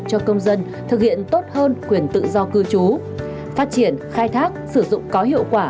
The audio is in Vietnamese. cho công dân thực hiện tốt hơn quyền tự do cư trú phát triển khai thác sử dụng có hiệu quả